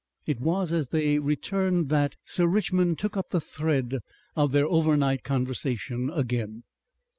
It was as they returned that Sir Richmond took up the thread of their overnight conversation again.